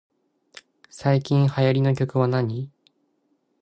最近流行りの曲はなに